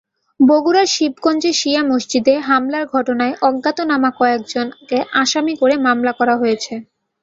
বগুড়ার শিবগঞ্জে শিয়া মসজিদে হামলার ঘটনায় অজ্ঞাতনামা কয়েকজনকে আসামি করে মামলা হয়েছে।